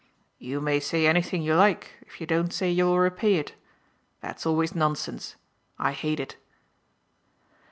"You may say anything you like if you don't say you'll repay it. That's always nonsense I hate it."